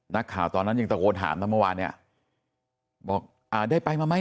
ตอนนั้นยังตะโกนถามนะเมื่อวานเนี่ยบอกอ่าได้ไปมาไหม